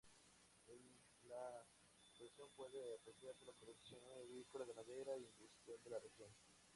En la exposición puede apreciarse la producción agrícola, ganadera e industrial de la región.